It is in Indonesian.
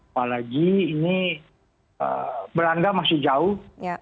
apalagi ini belanda masih jauh